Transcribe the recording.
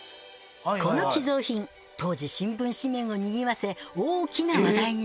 この寄贈品当時新聞紙面をにぎわせ大きな話題になったそう。